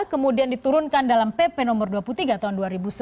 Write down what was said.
kemudian diturunkan dalam pp nomor dua puluh tiga tahun dua ribu sebelas